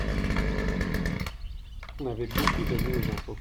On avait beaucoup donné aux impôts.